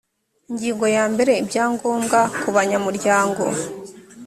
ingingo ya mbere ibyangombwa kubanyamuryango